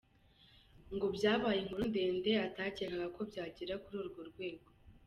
Ngo byabaye inkuru ndende atacyekaga ko byagera kuri urwo rwego.